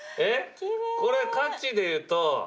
これ価値でいうと。